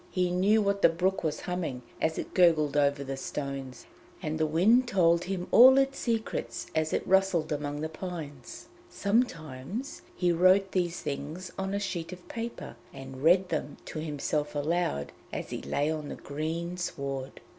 He knew what the brook was humming as it gurgled over the stones, and the wind told him all its secrets as it rustled among the pines. Sometimes he wrote these things on a sheet of paper and read them to himself aloud as he lay on the green sward.